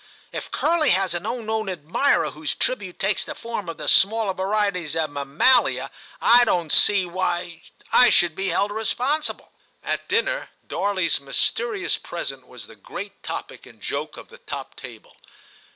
' If Curly has an unknown admirer whose tribute takes the form of the smaller varieties of mammalia, I don't see why / should be held responsible.' At dinner Darley s mysterious present io8 TIM CHAP. was the great topic and joke of the top table.